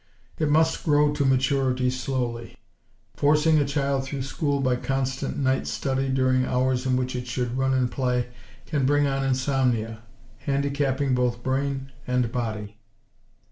It must grow to maturity slowly. Forcing a child through school by constant night study during hours in which it should run and play, can bring on insomnia; handicapping both brain and body.